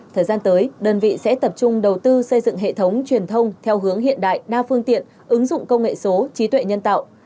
thời gian tới đơn vị sẽ tập trung đầu tư xây dựng hệ thống truyền thông theo hướng hiện đại đa phương tiện ứng dụng công nghệ số trí tuệ nhân tạo